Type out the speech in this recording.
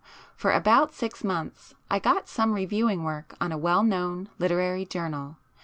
For about six months I got some reviewing work on a well known literary journal.